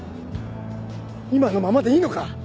今のままでいいのか？